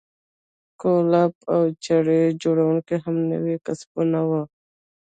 کولپ او چړه جوړونه هم نوي کسبونه وو.